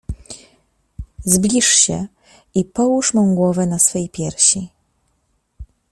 Zbliż się i połóż mą głowę na swej piersi.